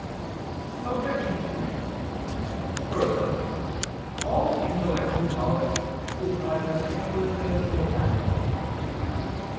Obj. 3: Further, all intellectual knowledge is either speculative or practical.